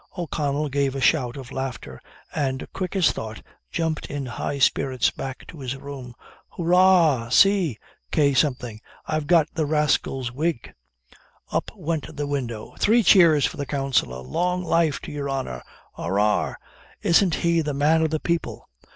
O'Connell gave a shout of laughter, and, quick as thought, jumped in high spirits back to his room. "Hurrah! see, K , I've got the rascal's wig." Up went the window "Three cheers for the counsellor! Long life to your honor. Arrah! isn't he the man of the people."